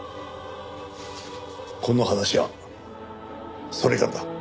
この話はそれからだ。